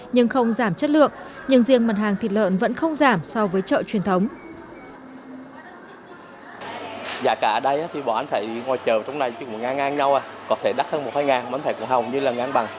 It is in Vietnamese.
nhưng không giảm chất lượng nhưng riêng mặt hàng thịt lợn vẫn không giảm so với chợ truyền thống